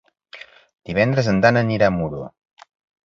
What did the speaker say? Divendres en Dan anirà a Muro.